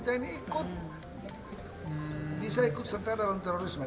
tni ikut bisa ikut serta dalam terorisme